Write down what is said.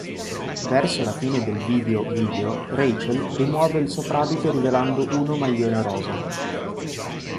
Verso la fine del video video Rachel rimuove il soprabito rivelando uno maglione rosa.